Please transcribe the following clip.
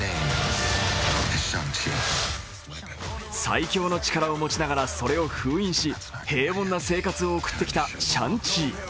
最強の力を持ちながらそれを封印し、平凡な生活を送ってきたシャン・チー。